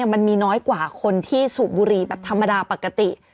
มันมีน้อยกว่าคนที่สูบบุหรี่แบบธรรมดาปกติ